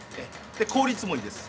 効率もいいです